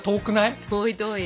遠い遠い。